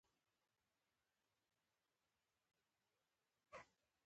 د افغانستان په منظره کې کندز سیند ښکاره دی.